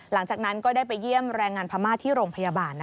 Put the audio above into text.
หลังจากนั้นก็ได้ไปเยี่ยมแรงงานพม่าที่โรงพยาบาล